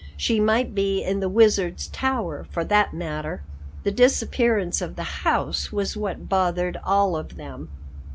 She might be in the Wizard's tower for that matter. The disappearance of the house was what bothered all of them.